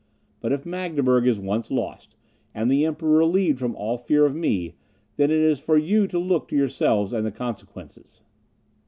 But if Magdeburg is once lost, and the Emperor relieved from all fear of me, then it is for you to look to yourselves and the consequences."